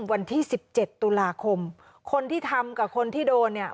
วันที่สิบเจ็ดตุลาคมคนที่ทำกับคนที่โดนเนี่ย